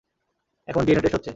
এখন DNA test হচ্ছে।